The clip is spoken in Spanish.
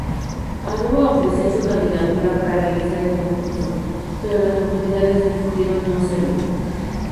Aruba ofrecía su candidatura para realizar el concurso, pero las autoridades decidieron no hacerlo.